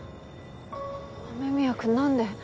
雨宮くんなんで？